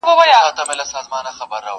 چي یې قبر د بابا ورته پېغور سو!